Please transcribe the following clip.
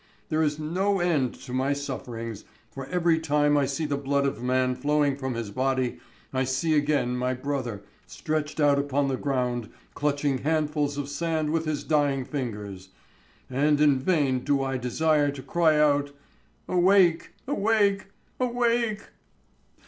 There is no end to my sufferings, for every time I see the blood of man flowing from his body I see again my brother, stretched out upon the ground clutching handfuls of sand with his dying fingers ... And in vain do I desire to cry out, 'Awake! Awake! Awake!'"